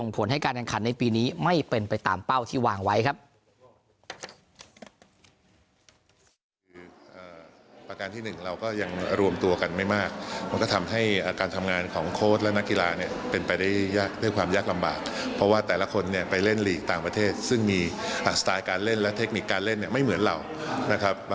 ผลให้การแข่งขันในปีนี้ไม่เป็นไปตามเป้าที่วางไว้ครับ